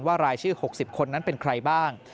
รายชื่อ๖๐คนนั้นเป็นใครบ้าง